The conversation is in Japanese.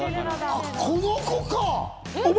この子か！